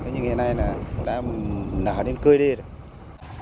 nhưng hiện nay là đã nở đến cươi đi rồi